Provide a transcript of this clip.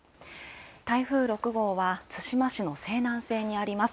台風６号は対馬市の西南西にあります。